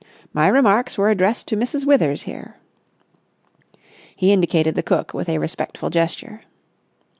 My remarks were addressed to Mrs. Withers here." He indicated the cook with a respectful gesture.